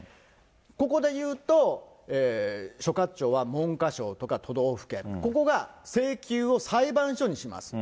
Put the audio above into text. ここでいうと、所轄庁は文科省とか都道府県、ここが請求を裁判所にします。